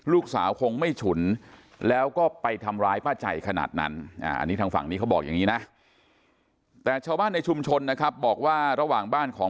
ลูกสาวคงไม่ฉุนแล้วก็ไปทำร้ายป้าจัยขนาดนั้น